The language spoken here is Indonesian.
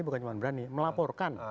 bukan cuma berani melaporkan